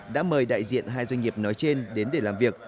đã mời đại diện hai doanh nghiệp nói trên đến để làm việc